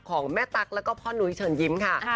ของแม่ตั๊กแล้วก็พ่อนุ้ยเชิญยิ้มค่ะ